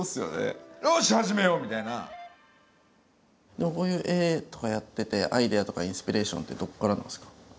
でもこういう絵とかやっててアイデアとかインスピレーションってどこからなんですか？